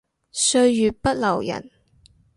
歲月不留人